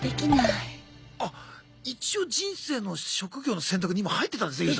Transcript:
あ一応人生の職業の選択に今入ってたんですね